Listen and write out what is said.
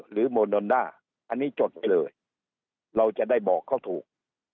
โมนอนด้าอันนี้จดไปเลยเราจะได้บอกเขาถูก